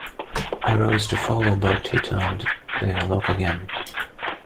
I rose to follow, but he turned the lock again.